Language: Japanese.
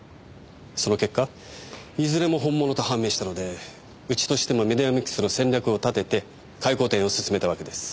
その結果いずれも本物と判明したのでうちとしてもメディアミックスの戦略を立てて回顧展を進めたわけです。